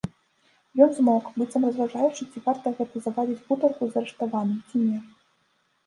Ён змоўк, быццам разважаючы, ці варта гэта завадзіць гутарку з арыштаваным, ці не.